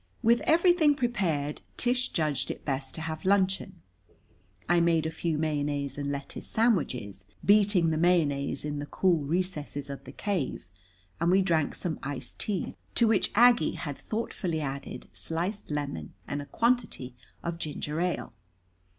With everything prepared, Tish judged it best to have luncheon. I made a few mayonnaise and lettuce sandwiches, beating the mayonnaise in the cool recesses of the cave, and we drank some iced tea, to which Aggie had thoughtfully added sliced lemon and a quantity of ginger ale.